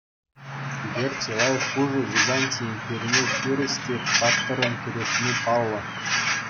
Кӳпер чылай хушӑ Византи империне хирӗҫ те паттӑррӑн кӗрешни паллӑ.